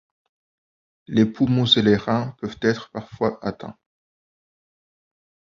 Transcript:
Les poumons et les reins peuvent être parfois atteints.